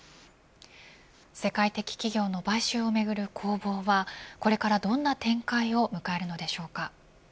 世界的企業の買収をめぐる攻防はこれからどんな展開を迎えるのでしょうか。